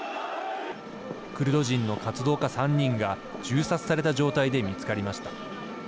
クルド人の活動家３人が銃殺された状態で見つかりました。